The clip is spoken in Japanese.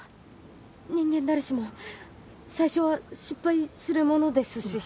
人間誰しも最初は失敗するものですし。